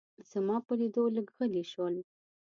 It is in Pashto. زما په لیدو لږ غلي شول.